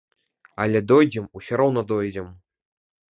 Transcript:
Але дойдзем, усё роўна дойдзем!